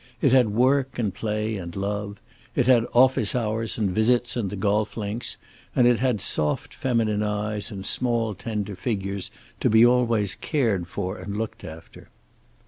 It had work and play and love. It had office hours and visits and the golf links, and it had soft feminine eyes and small tender figures to be always cared for and looked after.